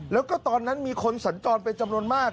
แล้วก็ตอนนั้นมีคนสัญจรเป็นจำนวนมาก